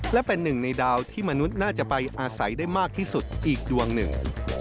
และเป็นหนึ่งในดาวที่มนุษย์น่าจะไปอาศัยได้มากที่สุดอีกดวงหนึ่ง